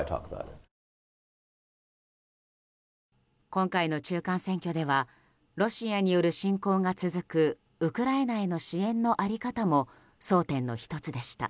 今回の中間選挙ではロシアによる侵攻が続くウクライナへの支援の在り方も争点の１つでした。